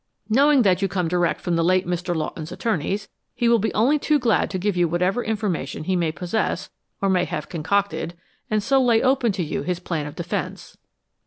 Knowing that you come direct from the late Mr. Lawton's attorneys, he will be only too glad to give you whatever information he may possess or may have concocted and so lay open to you his plan of defense."